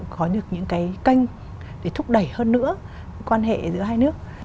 có được những cái kênh để thúc đẩy hơn nữa quan hệ giữa hai nước